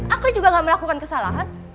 aku juga gak melakukan kesalahan